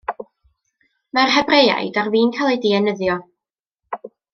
Mae'r Hebreaid ar fin cael eu dienyddio.